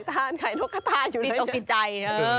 ไข่นกระทาอยู่แล้วเนี่ยเออพี่ตกใจ